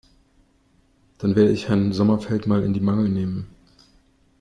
Dann werde ich Herrn Sommerfeld mal in die Mangel nehmen.